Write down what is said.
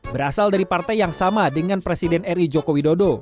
berasal dari partai yang sama dengan presiden ri joko widodo